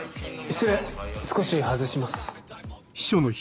失礼少し外します。